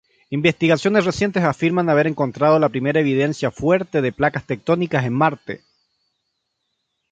Investigaciones recientes afirman haber encontrado la primera evidencia fuerte de placas tectónicas en Marte.